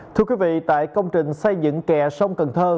thưa quý vị tại công trình xây dựng kè sông cần thơ